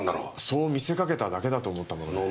そう見せかけただけだと思ったもので。